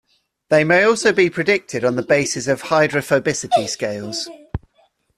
They may also be predicted on the basis of hydrophobicity scales.